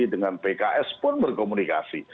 dengan pks pun berkomunikasi